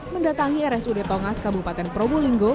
mendatangi rsud tongas kabupaten probolinggo